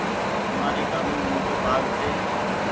همآري گھاميم موٽو بآگ ڇي